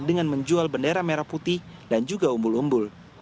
dengan menjual bendera merah putih dan juga umbul umbul